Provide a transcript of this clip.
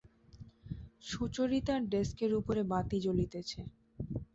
সুচরিতার ডেস্কের উপরে বাতি জ্বলিতেছে।